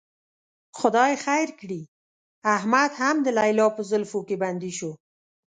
خدای خیر کړي، احمد هم د لیلا په زلفو کې بندي شو.